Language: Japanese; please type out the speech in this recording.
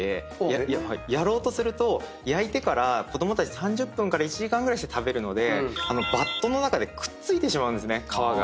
やろうとすると焼いてから子供たち３０分から１時間ぐらいして食べるのでバットの中でくっついてしまうんですね皮が。